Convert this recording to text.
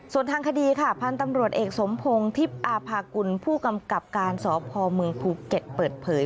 ส่วนทางคดีค่ะพันธุ์ตำรวจเอกสมพงศ์ทิพย์อาภากุลผู้กำกับการสพเมืองภูเก็ตเปิดเผย